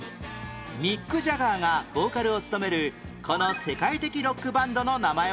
ミック・ジャガーがボーカルを務めるこの世界的ロックバンドの名前は？